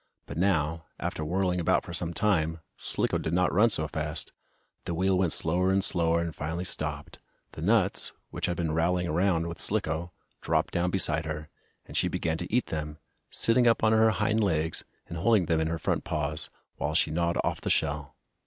But now, after whirling about for some time, Slicko did not run so fast. The wheel went slower and slower, and finally stopped. The nuts, which had been rattling around with Slicko, dropped down beside her, and she began to eat them, sitting up on her hind legs, and holding them in her front paws, while she gnawed off the shell.